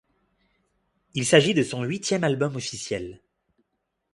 Il s'agit de son huitième album officiel.